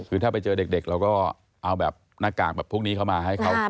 คือถ้าไปเจอเด็กเราก็เอาแบบหน้ากากแบบพวกนี้เข้ามาให้เขา